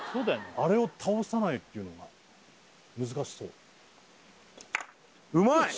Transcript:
あれを倒さないっていうのが難しそううまい！